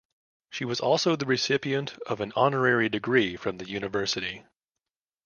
She was also the recipient of an honorary degree from the university.